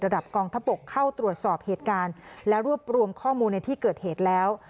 กองทบกเข้าตรวจสอบเหตุการณ์และรวบรวมข้อมูลในที่เกิดเหตุแล้ว